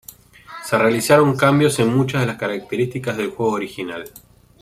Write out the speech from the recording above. Se realizaron cambios en muchas de las características del juego original.